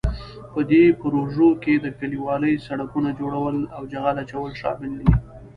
په دې پروژو کې د کلیوالي سړکونو جوړول او جغل اچول شامل دي.